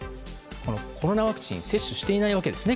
コロナワクチンを接種していないわけですよね